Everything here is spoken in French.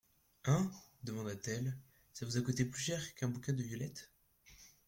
Hein ? demanda-t-elle, ça vous a coûté plus cher qu'un bouquet de violettes.